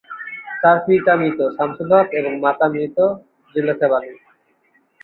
তার পিতা মৃত সামসুল হক এবং মাতা মৃত জুলেখা বানু।